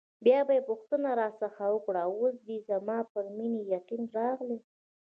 بیا یې پوښتنه راڅخه وکړه: اوس دې زما پر مینې یقین راغلی؟